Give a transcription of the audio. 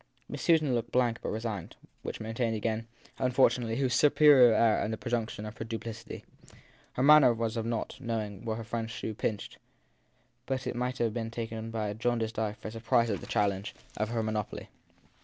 Miss Susan looked blank but resigned; which maintained again, unfortunately, her superior air and the presumption of her duplicity. Her manner was of not knowing where her friend s shoe pinched ; but it might have been taken by a jaundiced eye for surprise at the challenge of her monopoly.